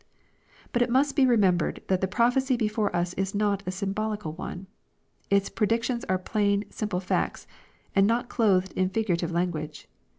But it must be remembered that the prophecy before us is not a symbolical one. Its predic tions are plain, simple facts, and not clothed in figurative language.